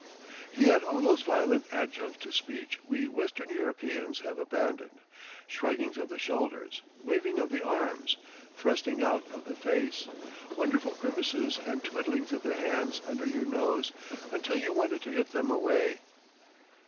He had all those violent adjuncts to speech we Western Europeans have abandoned, shruggings of the shoulders, waving of the arms, thrusting out of the face, wonderful grimaces and twiddlings of the hands under your nose until you wanted to hit them away.